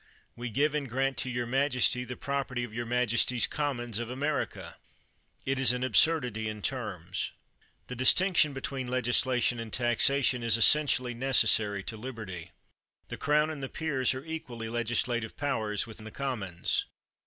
"We give and grant to your majesty" the property of your majesty's Commons of America! It is an absurdity in terms. The distinction between legislation and taxa tion is essentially necessary to liberty. The Crown and the peers are equally legislative powers with the Commons.